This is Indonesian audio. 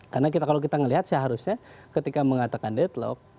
karena kalau kita melihat seharusnya ketika mengatakan deadlock